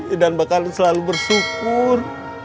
idan bakalan selalu bersyukur